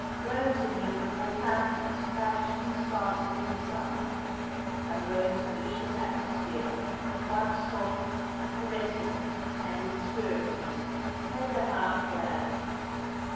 Rome's innumerable fountains plashed and sparkled in the sun; and Rome's delicious atmosphere, at once soft, caressing, and inspiriting, made the heart glad.